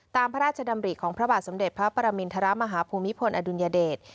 พระราชดำริของพระบาทสมเด็จพระปรมินทรมาฮภูมิพลอดุลยเดช